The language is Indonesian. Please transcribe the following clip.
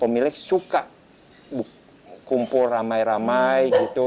pemilik suka kumpul ramai ramai gitu